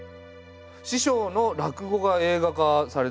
師匠の落語が映画化されたとか。